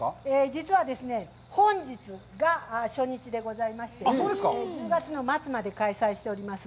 実は、本日が初日でございまして、１０月の末まで開催しております。